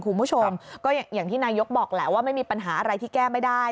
คุณผู้ชมก็อย่างที่นายกบอกแหละว่าไม่มีปัญหาอะไรที่แก้ไม่ได้